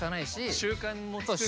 習慣もつくし。